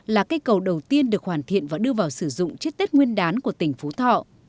là cây cầu đầu tiên được hoàn thiện và đưa vào sử dụng trước tết nguyên đán của tỉnh phú thọ